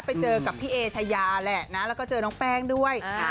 ไปเจอกับพี่เอชายาแหละนะแล้วก็เจอน้องแป้งด้วย